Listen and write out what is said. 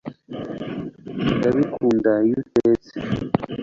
ndabikunda iyo utetse